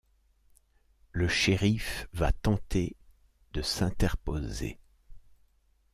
Le shérif va tenter de s'interposer.